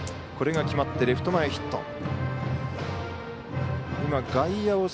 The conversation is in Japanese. これが決まってレフト前ヒット。